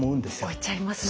置いちゃいますね。